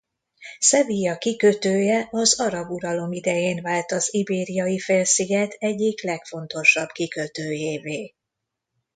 Sevilla kikötője az arab uralom idején vált az Ibériai-félsziget egyik legfontosabb kikötőjévé.